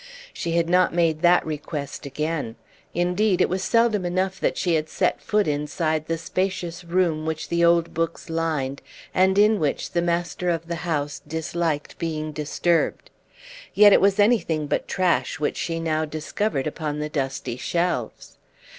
She had not made that request again; indeed, it was seldom enough that she had set foot inside the spacious room which the old books lined, and in which the master of the house disliked being disturbed. Yet it was anything but trash which she now discovered upon the dusty shelves.